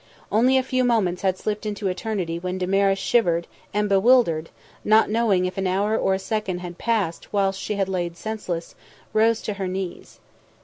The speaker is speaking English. Only a few moments had slipped into eternity when Damaris shivered and, bewildered, not knowing if an hour or a second had passed whilst she had lain senseless, rose to her knees.